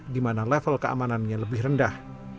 di mana level keamanannya lebih rendah